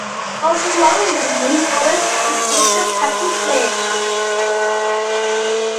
პოპულარობა მოიპოვეს მკითხველთა ფართო წრეებში.